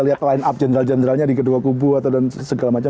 lihat line up jenderal jenderalnya di kedua kubu atau dan segala macam